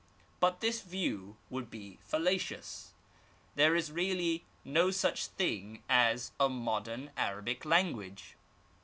But this view would be fallacious. There is really no such thing as a modem Arabic language.